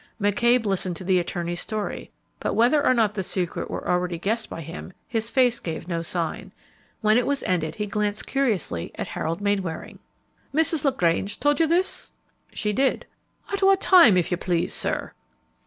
McCabe listened to the attorney's story, but whether or not the secret were already guessed by him, his face gave no sign. When it was ended he glanced curiously at Harold Mainwaring. "Mrs. LaGrange told you this?" "She did." "At what time, if you please, sir?"